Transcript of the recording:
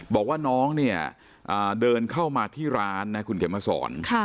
บอกว่าน้องเนี่ยเดินเข้ามาที่ร้านนะคุณเข็มมาสอน